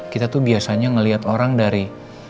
kita tuh biasanya ngelihat orang dari